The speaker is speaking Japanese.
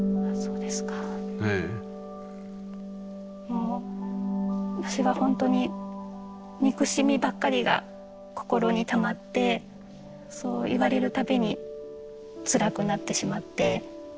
もう私はほんとに憎しみばっかりが心にたまってそう言われる度につらくなってしまって。